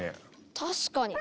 確かに。